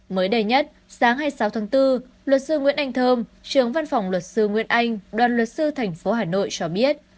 mới đầy nhất sáng hai mươi sáu tháng bốn luật sư nguyễn anh thơm trưởng văn phòng luật sư nguyễn anh đoàn luật sư tp hà nội cho biết